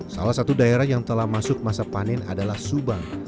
salah satu daerah yang telah masuk masa panen adalah subang